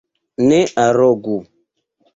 Ne arogu!